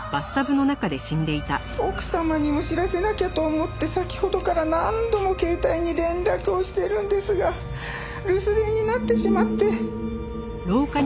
奥様にも知らせなきゃと思って先ほどから何度も携帯に連絡をしてるんですが留守電になってしまって。